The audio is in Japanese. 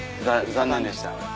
残念でした。